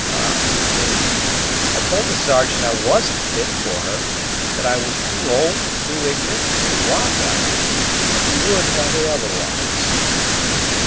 Ah's me! I told the Sergeant I wasn't fit for her; that I was too old, too ignorant, and too wild like; but he would have it otherwise."